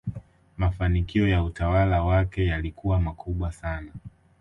mafanikio ya utawala wake yalikuwa makubwa sana